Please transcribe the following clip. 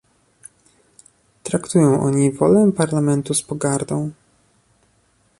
Traktują oni wolę Parlamentu z pogardą